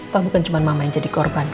kamu kan cuma mama yang jadi korban